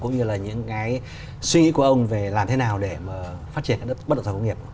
cũng như là những suy nghĩ của ông về làm thế nào để phát triển các đất nước bất động sở công nghiệp